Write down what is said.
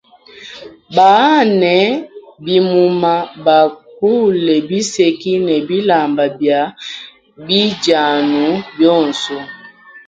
Bawane bimuma, bakulam biseki ne bilamba bia bidianu bionso.